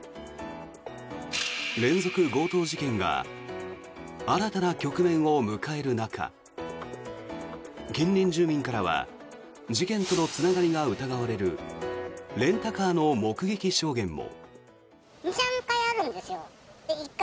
連続強盗事件が新たな局面を迎える中近隣住民からは事件とのつながりが疑われるレンタカーの目撃証言も。